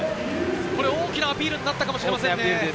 大きなアピールになったかもしれません。